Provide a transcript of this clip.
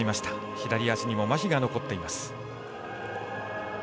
左足にもまひが残っています。